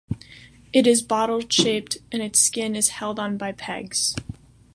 It is bottle shaped and its skin is held on by pegs.